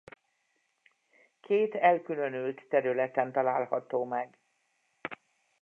Két elkülönült területen található meg.